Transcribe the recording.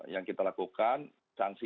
yang kita lakukan sanksi